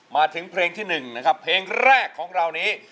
มาถึงเพลงที่๑นะครับเพลงแรกของเรานี้